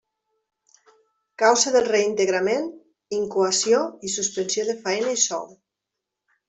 Causa del reintegrament: incoació i suspensió de faena i sou.